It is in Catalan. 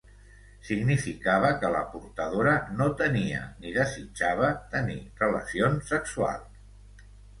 Significava que la portadora no tenia ni desitjava tenir relacions sexuals.